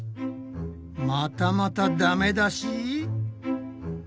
またまたダメ出し！？